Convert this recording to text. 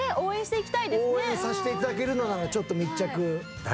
応援させて頂けるのならちょっと密着。